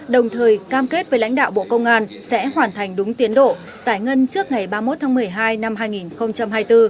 đồng thời cam kết với lãnh đạo bộ công an sẽ hoàn thành đúng tiến độ giải ngân trước ngày ba mươi một tháng một mươi hai năm hai nghìn hai mươi bốn